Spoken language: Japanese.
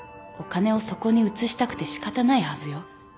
お金をそこに移したくて仕方ないはずよ。